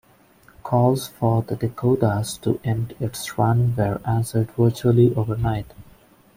Calls for "The Dakotas" to end its run were answered virtually overnight.